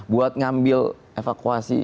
buat ngambil evakuasi